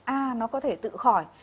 a nó có thể tự khỏi